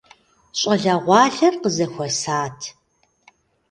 ЩӀалэгъуалэр къызэхуэсат.